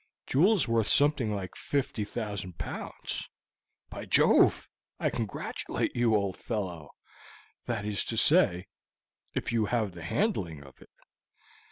"Jewels worth something like fifty thousand pounds." "By Jove, I congratulate you, old fellow; that is to say, if you have the handling of it.